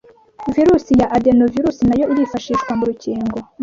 virusiya adenovirus nayo irifashishwa murukingo